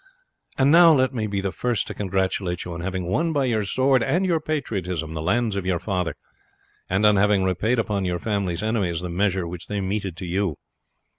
And now let me be the first to congratulate you on having won by your sword and your patriotism the lands of your father, and on having repaid upon your family's enemies the measure which they meted to you.